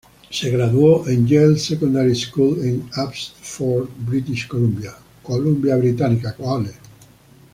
Se graduó en Yale Secondary School en Abbotsford, British Columbia.